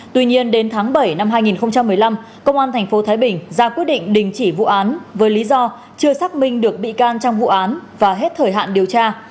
tuy nhiên đến tháng bảy năm hai nghìn một mươi năm công an tp thái bình ra quyết định đình chỉ vụ án với lý do chưa xác minh được bị can trong vụ án và hết thời hạn điều tra